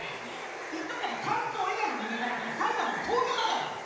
言っとくけど関東以外の人間から見たら埼玉も東京だから！